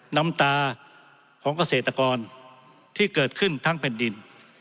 น้ำตาของเกษตรกรที่เกิดขึ้นทั้งแผ่นดิน